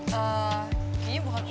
kayaknya bukan uang